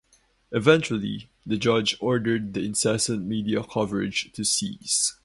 Eventually, the judge ordered the incessant media coverage to cease.